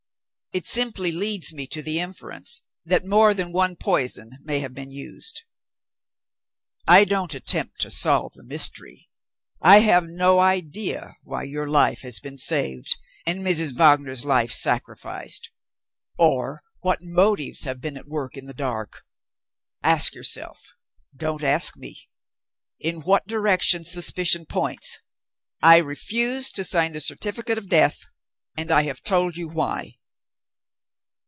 It simply leads me to the inference that more than one poison may have been used. I don't attempt to solve the mystery. I have no idea why your life has been saved, and Mrs. Wagner's life sacrificed or what motives have been at work in the dark. Ask yourself don't ask me in what direction suspicion points. I refuse to sign the certificate of death; and I have told you why."